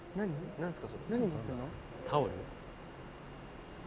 何ですか？